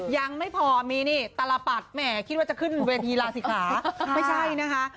ยังไม่พอมีนี่ตลปัดแหมคิดว่าจะขึ้นเวทีลาศิกขาไม่ใช่นะคะ